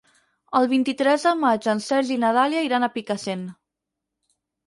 El vint-i-tres de maig en Sergi i na Dàlia iran a Picassent.